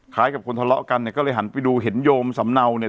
กับคนทะเลาะกันเนี่ยก็เลยหันไปดูเห็นโยมสำเนาเนี่ย